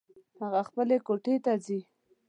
هغه خپلې کوټې ته ځي